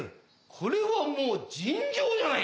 これはもう尋常じゃない！